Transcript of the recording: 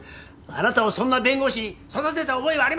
あなたをそんな弁護士に育てた覚えはありません！